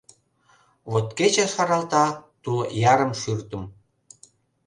Вот кече шаралта тул ярым шӱртым.